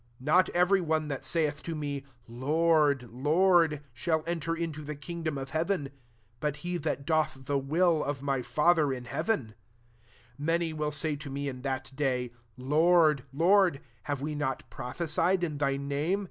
St << Hot every one that saith to me» < Lord) Lord,' shall enter into the kingdiom of heaven ; but be that doth the vrili of my Fa ther in heaven ; 22 Many will Si^ to me m that day ;^ Lord, Lend) have we not prophesied in thy imme